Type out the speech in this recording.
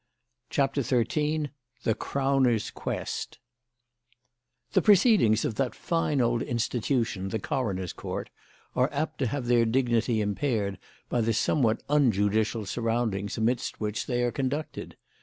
CHAPTER XIII THE CROWNER'S QUEST The proceedings of that fine old institution, the coroner's court, are apt to have their dignity impaired by the somewhat unjudicial surroundings amidst which they are conducted.